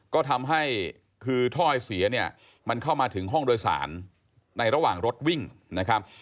ก็ทำให้คือถ้อยเสียเนี่ยมันเข้ามาถึงห้องโดยสารในระหว่างรถวิ่งนะครับ